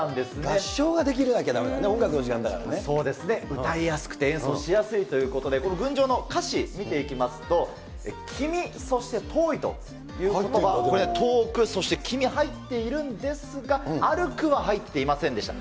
合唱ができなきゃだめなんだそうですね、歌いやすくて、演奏しやすいということで、この群青の歌詞見ていきますと、君、そして、遠いということば、これ、遠く、そして君、入っているんですが、歩くは入っていませんでした。